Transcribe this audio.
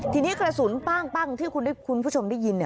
ทีนี้กระสุนปั้งที่คุณผู้ชมได้ยิน